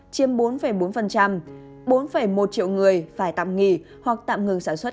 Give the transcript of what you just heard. chiếm bốn bốn một triệu người phải tạm nghỉ hoặc tạm ngừng sản xuất